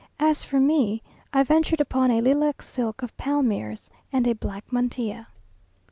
As for me, I ventured upon a lilac silk of Palmyre's, and a black mantilla.